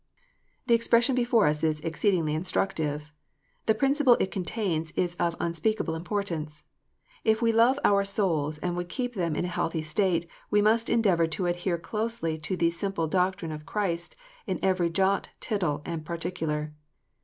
The expression before us is exceedingly instructive. The principle it contains is of unspeakable importance. If we love our souls and would keep them in a healthy state, we must endeavour to adhere closely to the simple doctrine of Clirist, in every jot, tittle, and particular.